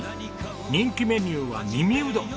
人気メニューは耳うどん。